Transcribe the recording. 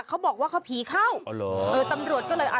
เขาบอกว่าเขาผีเข้าอ๋อเหรอเออตำรวจก็เลยอ่ะ